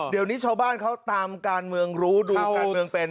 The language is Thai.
เดี๋ยวนี้ชาวบ้านเขาตามการเมืองรู้ดูการเมืองเป็น